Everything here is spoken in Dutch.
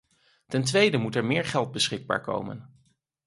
Ten tweede moet er meer geld beschikbaar komen.